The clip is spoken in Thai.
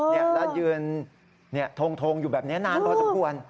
แล้วยืนทงอยู่แบบนี้นานพอสมควร